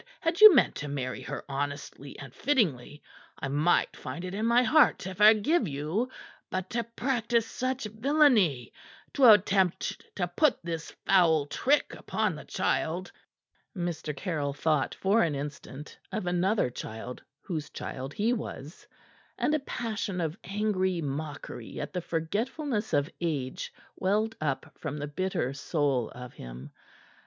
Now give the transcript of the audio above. had you meant to marry her honestly and fittingly, I might find it in my heart to forgive you. But to practice such villainy! To attempt to put this foul trick upon the child!" Mr. Caryll thought for an instant of another child whose child he was, and a passion of angry mockery at the forgetfulness of age welled up from the bitter soul of him.